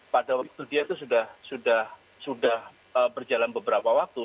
pada waktu dia itu sudah berjalan beberapa waktu